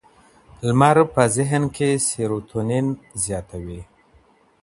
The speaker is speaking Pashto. لمر په ذهن کې سیروتونین زیاتوي.